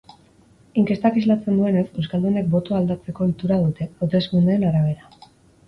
Inkestak islatzen duenez, euskaldunek botoa aldatzeko ohitura dute, hauteskundeen arabera.